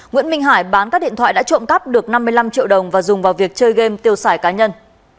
nguyễn minh hải bán các điện thoại đã trộm cắp được năm mươi năm triệu đồng và dùng vào việc chơi game tiêu sải cá nhân